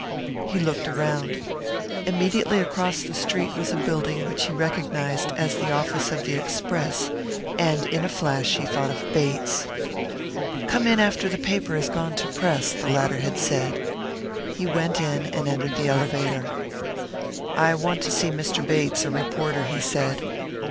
He looked around. Immediately across the street was a building which he recognised as the office of the Express; and in a flash he thought of Bates. "Come in after the paper has gone to press," the latter had said. He went in and entered the elevator. "I want to see Mr. Bates, a reporter," he said.